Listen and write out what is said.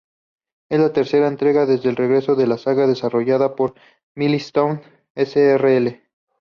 Es la tercera entrega desde el regreso de la saga desarrollada por Milestone S.r.l.